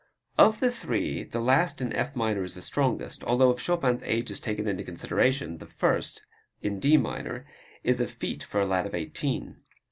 Of the three the last in F minor is the strongest, although if Chopin's age is taken into consideration, the first, in D minor, is a feat for a lad of eighteen.